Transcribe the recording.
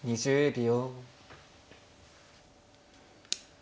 ２０秒。